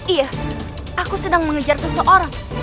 iya aku sedang mengejar seseorang